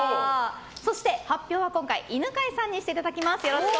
そして発表は今回犬飼さんにしていただきます。